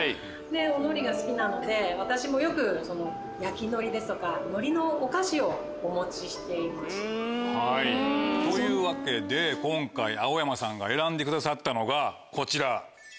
お海苔が好きなので私もよく焼き海苔ですとか。というわけで今回青山さんが選んでくださったのがこちら。